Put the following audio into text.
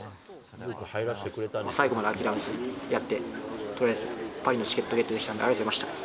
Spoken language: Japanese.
最後まで諦めずやって、とりあえずパリのチケットをゲットできたので、ありがとうございました。